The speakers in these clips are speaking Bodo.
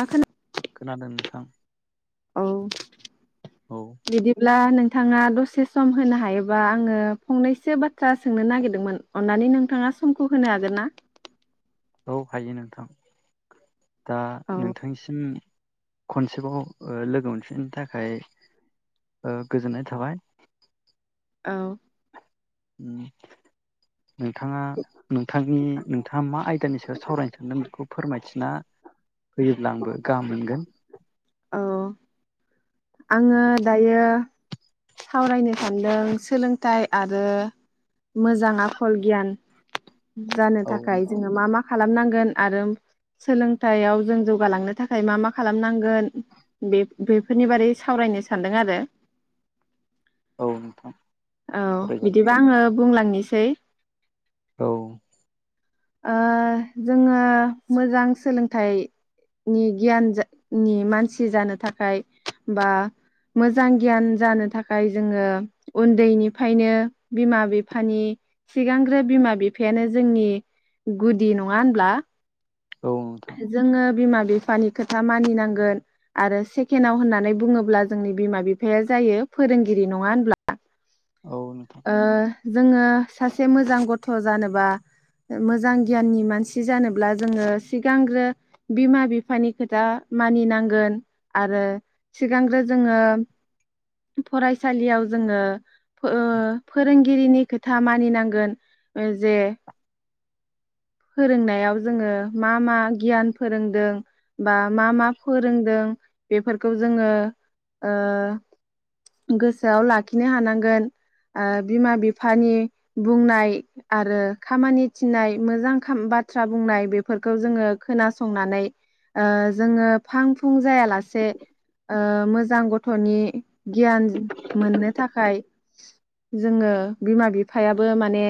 आ खोना खोनादों नोंथां। औ औ बिदिब्ला नों नोंथाङा दसे सम होनो हायोबा आङो फंनैसो बाथ्रा सोंनो नागिरदोंमोन अन्नानै नोंथाङा समखौ होनो हागोन ना। औ हायो नोंथां। दा औ नोंथां निसिम। खनसेबाव ओ लोगो मोनफिननो थाखाय ओ गोजोननाय थाबाय। औ। उम। नोंथाङा नोंथांनि नोंथाङा मा आयदानि सायाव सावरायनो सानदों बेखौ फोरमायथिना होयोब्ला आंबो गाहाम मोनगोन। औ आङो दायो सावरायनो सानदों सोलोंथाइ आरो मोजां आखल गियान जानो औ थाखाय जोङो मा मा खालामनांगोन आरो सोलोंथायाइयाव जों जौगालांनो थाखाय मा मा खालामनांगोन बेब बेफोरनि बारै सावरायनो सानदों आरो। औ नोंथां। औ फरायजागोन बिदिबा आङो बुंलांनिसै। औ ओ जोङो मोजां सोलोंथाइनि गियान जा नि मानसि जानो थाखाय बा मोजां गियान जानो थाखाय जोङो उन्दैनिफायनो बिमा बिफानि सिगांग्रो बिमा बिफायानो जोंनि गुदि नङा होनब्ला। औ नोंथां जोङो बिमाब बिफानि खोथा मानिनांगोन आरो सेकेणडआव होननानै बुंङोब्ला जोंनि बिमा बिफाया जायो फोरोंगिरि नंङा होनब्ला औ नोंथां ओ जोङो सासे मोजां गथ' जानोबा मोजां गियाननि मानसि जानोब्ला जोङो सिगांग्रो बिमा बिफानि खोथा मानिनांगोन आरो सिगांग्रो जोङो फरायसालियाव जोङो ओ फोरोंगिरिनि खोथा मानिनांगोन जे फोरोंनायाव जोङो मा मा गियान फोरोंदों बा मा मा फोरोंदों बेफोरखौ जोङो ओ गोसोआव लाखिनो हानांगोन ओ बिमा बिफानि बुंनाय आरो खामानि थिनाय मोजां बाथ्रा बुंनाय बेफोरखौ जोङो खोना संनानै ओ फां फुं जायासे ओ मोजां गथ'नि गयान मोननो थाखाय जोङो बिमा बिफायाबो माने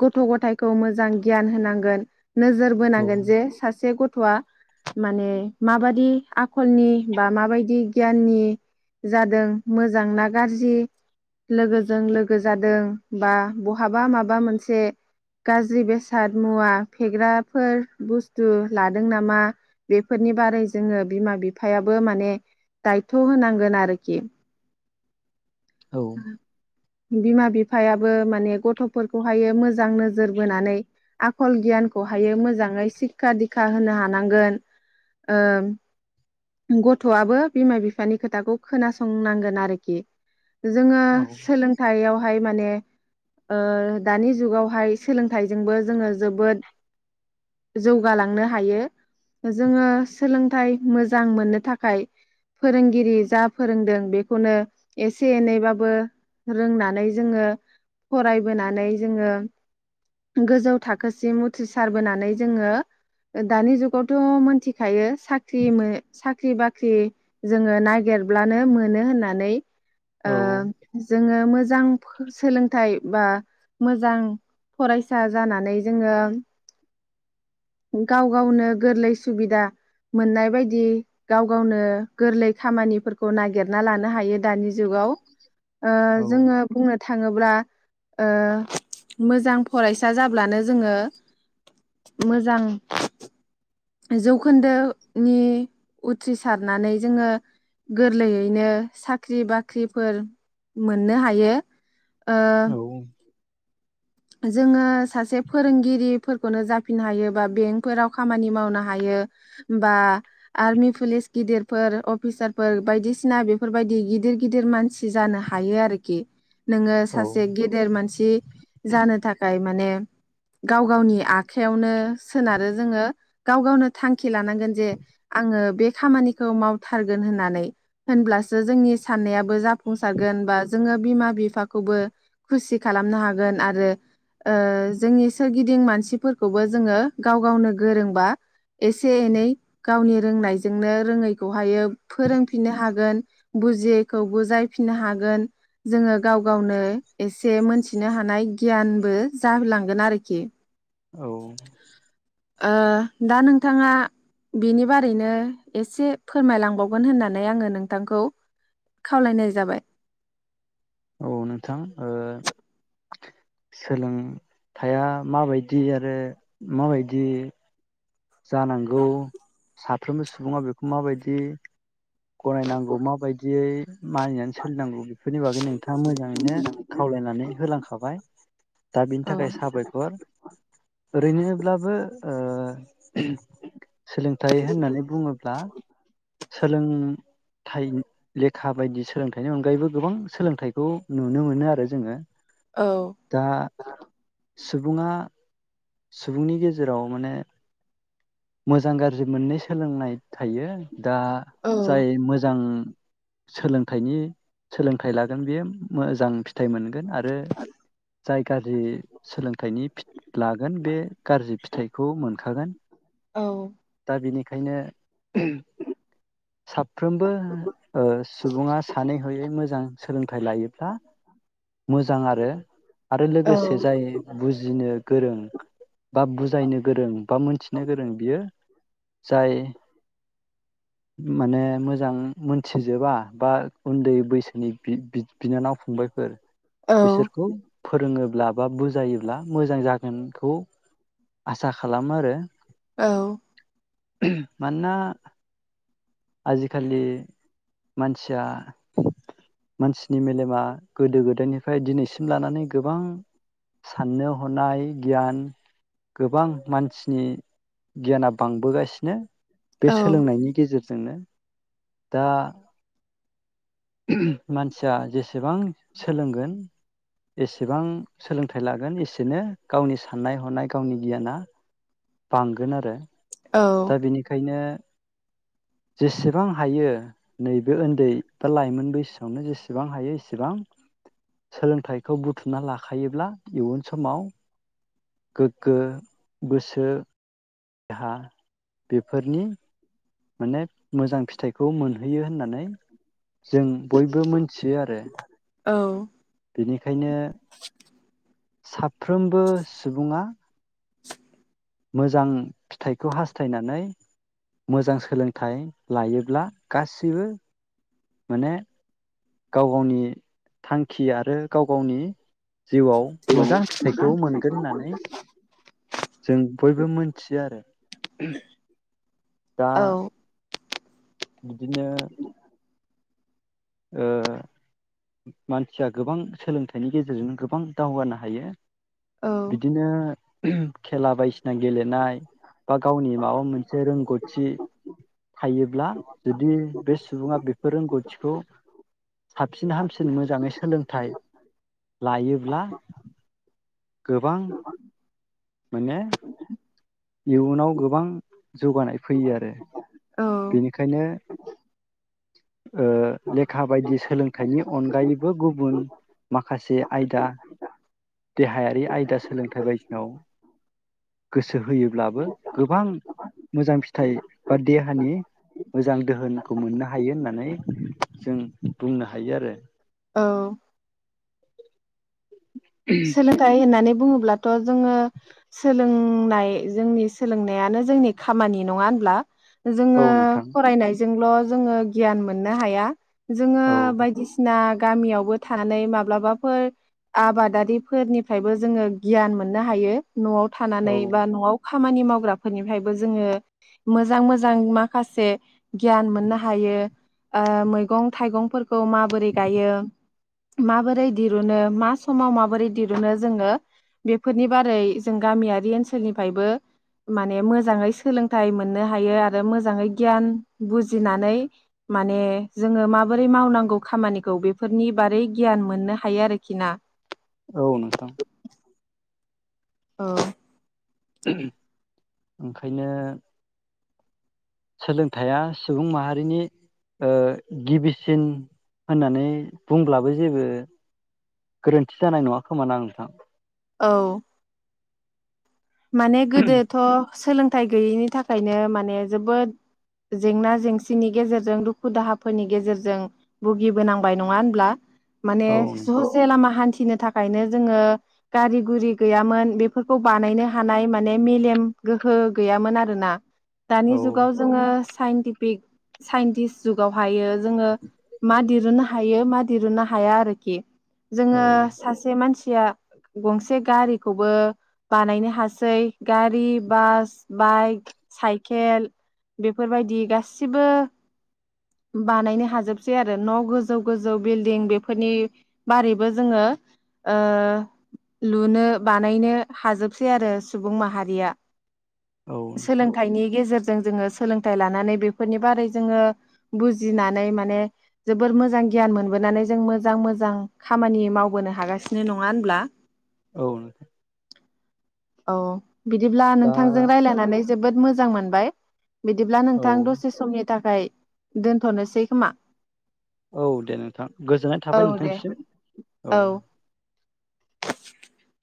गथ' गथाय खौ मोजां गियान होनांगोन नोजोर औ बोनांगोन जे सासे गथ' गथ'आ माने मा बायदि आखलनि बा मा बायदि गियाननि जादों मोजां ना गाज्रि लोगोजों लोगो जादों बा बहाबा माबा मोनसे गाज्रि बेसाद मुवा फेग्राफोर बुस्थु लादों नामा बेफोरनि बारै जोङो बिमा बिफायाबो माने दायथ' होनांगोन आरोखि औ [inaudible] बिमा बिफायाबो माने गथ'फोरखौहायो मोजां नोजोर नोजोर बोनानै आखल गियानखौहायो मोजाङै सिक्खा दिक्खा होनो हानांगोन ओ गथ'आबो बिमा बिफानि खोथाखौ खोनासंनांगोन आरोखि जोङो औ सोलोंथायाइयावहाय माने ओ दानि जुगावहाय सोलोंथाइजोंबो जोङो जोबोद जौगालांनो हायो जोङो सोलोंथाइ मोजां मोननो थाखाय फोरोंगिरि जा फोरोंदों बेखौनो एसे एनैबाबो रोंनानै जोङो फरायबोनानै जोङो गोजौ थाखोसिम उथ्रिसारबोनानै जोङो दानि जुगावथ' मोनथिखायो साख्रि मो साख्रि बाख्रि जोङो नागिरब्लानो मोनो होननानै ओ जोङो मोजां सोलोंथाइ बा मोजां फरायसा जानानै जोङो गाव गावनो गोरलै सुबिदा मोननाय बायदि गाव गावनो गोरलै खामानिफोरखौ नागिरना लानो हायो दानि जुगाव ओ जोङो बुंनो थाङोब्ला ओ मोजां फरायसा जाब्लानो जोङो मोजां जौखोन्दो नि उथ्रिसारनानै जोङो गोरलैयैनो साख्रि बाख्रिफोर मोननो हायो। ओ। औ जोङो सासे फोरोंगिरिफोरखौनो जाफिननो हायो बा बेंकफोराव खामानि मावनो हायो बा आर्मि पुलिस गिदिरफोर अफिसारफोर बायदिसिना बेफोरबायदि गिदिर गिदिर मानसि जानो हायो आरोखि नोङो सासे गेदेर मानसि जानो थाखाय माने गाव गावनि आखाइयावनो सोनारो जोङो गाव गावनो थांखि लानांगोन जे आङो बे खामानिखौ मावथारगोन होननानै होनब्लासो जोंनि साननायाबो जाफुंसारगोन बा जोङो बिमा बिफाखौबो खुसि खालामनो हागोन आरो। ओ ओ जोंनि सोरगिदिं मानसिफोरखौबो जोङो गाव गावनो गोरोंबा। एसे एनै गावनि रोंनायजों जोंनो रोङैखौ हायो। फोरोंफिननो हागोन बुजियैखौ बुजायफिननो हागोन जोङो गाव गावनो एसे मोनथिनो हानाय गियानबो जाहोलांगोन आरोखि औ। ओ दा नोंथाङा बिनि बारैनो एसे फोरमायलांबावगोन होननानै आङो नोंथांखौ खावलायनाय जाबाय औ नोंथां ओ। सोलों थाया माबायदि आरो माबायदि। जानांगौ साफ्रोमबो सुबुङा बेखौ माबायदि गनायनांगौ माबायदियै मानिनानै सोलिनांगौ बेफोरनि बागै नोंथाङा मोजाङैनो खावलायनानै होलांखाबाय दा बिनि औ थाखाय साबायखर ओरैनोब्लाबो ओ। सोलोंथाइ होननानै बुङोब्ला सोलों थाइ लेखा बायदि सोलोंथाइनि अनगायैबो गोबां सोलोंथाइखौ नुनो मोनो आरो जोङो औ। दा सुबुङा सुबुंनि गेजेराव माने मोजां गाज्रि मोननै सोलोंनाय थायो। दा औ जाय मोजां सोलोंथाइनि सोलोंथाइ लागोन बेयो मोजांफि फिथाइ मोनगोन आरो जाय गाज्रि सोलोंथाइनि फि ला। गोन बे गाज्रि फिथाइखौ मोनखागोन औ दा बेनि ओंखायनो साफ्रोमबो ओ सुबुङा सानै हयै मोजां सोलोंथाइ लायोब्ला मोजां आरो। आरो औ लोगोसे जाय बुज जिनो गोरों बा बुजायनो गोरों बा मोन नो गोरों बियो जाय माने मोजां मोन थिजोबा बा उन्दै बैसोनि बि बिनानाव फंबायफोर औ बिसोरखौ फोरोङोब लाबा बुजायोब्ला मोजां जागोनखौ आसा खालामो आरो औ मानोना आजि खालि मानसिया मानसिनि मेलेमा गोदो गोदायनिफ्राय दिनैसिम लानानै गोबां साननो हनाय गियान गोबां मानसिनि गियाना बांबोगासिनो बे सोलोंनायनि गेजेर जोंनो दा मानसिया जेसे एसेबां सोलोंगोन एसेबां सोलोंथाइ लागोन एसेनो गावनि साननाय हनाय गावनि गियाना बांगोन आरो औ दा बेनिखायनो जेसेबां हायो नैबे उन्दै बा लाइमोन बैसोआवनो जेसेबां हायो एसेबां सोलोंथाइखौ बुथुमना लाखायोब्ला इयुन समाव गोग्गो गोसो देहा बेफोरनि माने मोजां फिथाइखौ मोनहैयो होननानै जों बयबो मोनथियो आरो औ बेनिखायनो सा फ्रोमबो सुबुङा मोजां फिथाइखौ हास्थायनानै मोजां सोलोंथाइ लायोब्ला गासिबो माने गाव गावनि थां खि आरो गाव गावनि जिउआव मोजां फिथाइखौ मोनगोन होननानै जों बयबो मोनथियो आरो दा औ बिदिनो ओ मानसिया गोबां सोलोंथाइनि गेजेरजोंनो गोबां दावगानो हायो। बिदिनो खेला बायदिसिना गेले नाय बा गावनि माबा मोनसे रोंगौथि थायोब्ला जुदि बे सुबुङा बेफोर रोंगौथिखौ साबसिन हामसिन मोजाङै सोलोंथाइ लायोब्ला गोबां माने इयुनाव गोबां जौगानाय फैयो आरो औ बेनिखायनो ओ लेखा बायदि सोलोंथाइनि अनगायैबो गुबुन माखासे आयदा देहायारि आयदा सोलोंथाइ बायदियाव गोसो होयोब्लाबो गोबां मोजां फिथाइ बा दे हानि मोजां दोहोनखौ मोननो हायो होननानै जों बुंनो हायो आरो औ सोलोंथाइ होननानै बुङोब्लाथ' जोङो सोलोंनाय जोंनि सोलोंनायानो जोंनि खामानि। नङा होनब्ला? जोङो औ नोंथां फरायनायजोंल' जोङो गियान मोननो हाया। जोङो औ बायदिसिना गामियावबो थानानै माब्लाबाफोर आबादारि फोरनिफ्रायबो जोङो गियान मोननो हायो। न'आव औ थानानै बा न'आव खामानि मावग्राफोरनिफ्रायबो जोङो मोजां मोजां माखासे गियान मोननो हायो ओ मैगं थाइगंफोर खौ माबोरै गायो? माबोरै दिरुनो मा समाव मा? माबोरै दिरुनो जोङो बेफोरनि बारै जों गामियारि ओनसोलनिफ्रायबो माने मोजाङै सोलोंथाइ मोननो हायो आरो मोजाङै गियान बुजिनानै माने जोङो माबोरै मावनांगौ खामानिखौ बेफोरनि बारै गियान मोननो हायो आरोखि ना। औ नोंथां। उम ओंखायनो सोलोंथाइया सुबुं माहारिनि ओ गिबिसिन होननानै बुंब्लाबो जेबो गोरोन्थि जानाय नङा खोमा ना नोंथां? औ माने गोदोथ' सोलोंथाइ गैयैनि थाखायनो माने जोबोद जेंना जेंसिनि गेजेरजों दुखु दाहाफोरनि गेजेरजों भुगिबोनांबाय नङा होनब्ला? माने औ ससे लामा हान्थि नो थाखायनो जोङो गारि गुरि गैयामोन बेफोरखौ बानायनो हानाय माने मेलेम गोहो गैयामोन आरोना नोंथां दानि औ जुगाव जोङो साइन्टिफिक साइन्टिस्ट जुगाव हायो जोङो मा दिरुननो हायो मा दिरुननो हाया आरोखि औ जोङो सासे मानसि या गंसे गारिखौबो बानायनो हाजो गासै गारि बास बाइक साइकेल बेफोरबायदि गासिबो बानायनो हाजोबसै आरो न' गोजौ गोजौ बिल्दिं बेफोरनि बारैबो जोङो ओ लुनो बानायनो हाजोबसै आरो। सुबुं माहारिया औ नोंथां सोलोंथाइनि गेजेरजों जोङो सोलोंथाइ लानानै बेफोरनि बारै जोङो बुजिनानै माने जबोर मोजां गियान मोनबोनानै जों मोजां मोजां खामानि मावबोनो हागासिनो नङा होनब्ला? औ नोंथां। औ बिदिब्ला दा नोंथांजों रायज्लायनानै जोबोद मोजां मोजां मोनबाय। बिदिब्ला औ नोंथां दसे समनि थाखाय दोनथ'नोसै खोमा औ दे नोंथां गोजोननाय औ थाबाय दे नोंथांनिसिम औ।